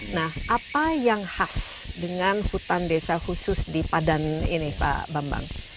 nah apa yang khas dengan hutan desa khusus di padan ini pak bambang